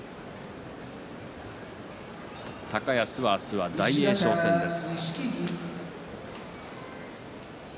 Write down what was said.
高安は、明日は大栄翔戦です。